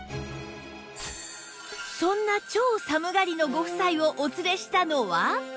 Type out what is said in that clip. そんな超寒がりのご夫妻をお連れしたのは